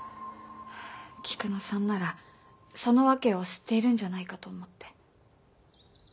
菊野さんならその訳を知っているんじゃないかと思って。